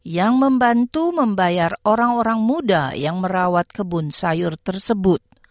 yang membantu membayar orang orang muda yang merawat kebun sayur tersebut